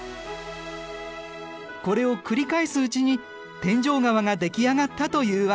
これを繰り返すうちに天井川ができ上がったというわけ。